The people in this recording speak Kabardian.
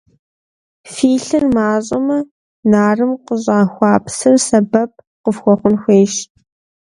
Фи лъыр мащӀэмэ, нарым къыщӏахуа псыр сэбэп къыфхуэхъун хуейщ.